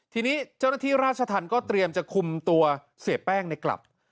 ทีนี้เจ้าหน้าที่ราชธรรมก็เตรียมจะคุมตัวเสียแป้งกลับ